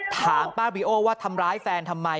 ถามป้าบริโอว่าทำร้ายแฟนทำไม